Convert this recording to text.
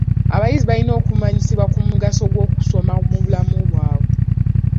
Abayizi balina okumanyisibwa ku mugaso gw'okusoma mu bulamu bwabwe.